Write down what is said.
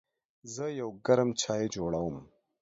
زه یو ګرم چای جوړوم.